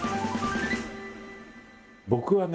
僕はね